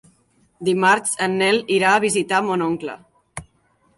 Dimarts en Nel irà a visitar mon oncle.